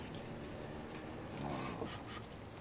ああ。